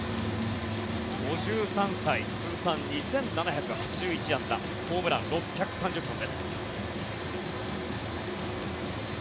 ５３歳、通算２７８１安打ホームラン６３０本です。